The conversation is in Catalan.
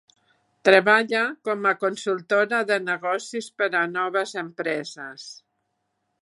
Treballa com a consultora de negocis per a noves empreses.